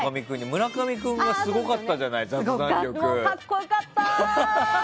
村上君がすごかったじゃない格好良かった！